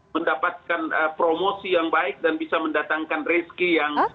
mendapatkan promosi yang baik dan bisa mendatangkan rezeki yang